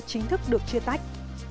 chính thức được chia tách